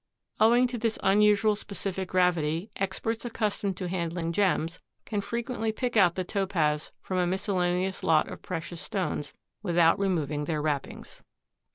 Owing to this unusual specific gravity, experts accustomed to handling gems can frequently pick out the Topaz from a miscellaneous lot of precious stones without removing their wrappings.